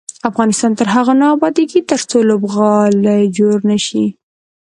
افغانستان تر هغو نه ابادیږي، ترڅو لوبغالي جوړ نشي.